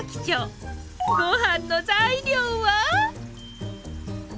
ごはんの材料は？